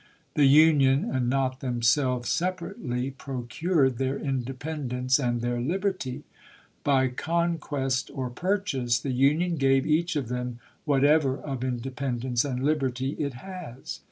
The Union, and not themselves separately, procured their independence and their liberty. By conquest, or purchase, the Union gave each of them whatever of independence and liberty it has.